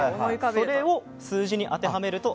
それを数字に当てはめると？